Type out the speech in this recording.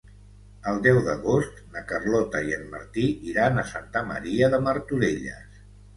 El deu d'agost na Carlota i en Martí iran a Santa Maria de Martorelles.